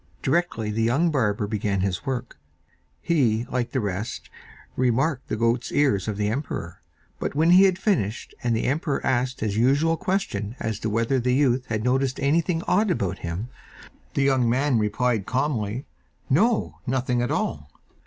Directly the young barber began his work, he, like the rest, remarked the goat's ears of the emperor, but when he had finished and the emperor asked his usual question as to whether the youth had noticed anything odd about him, the young man replied calmly, 'No, nothing at all.